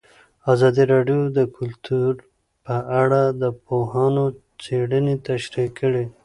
ازادي راډیو د کلتور په اړه د پوهانو څېړنې تشریح کړې.